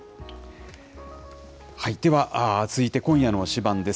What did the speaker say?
では、続いて今夜の推しバン！です。